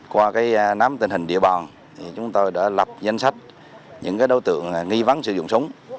qua nắm tình hình địa bàn chúng tôi đã lập danh sách những đối tượng nghi vấn sử dụng súng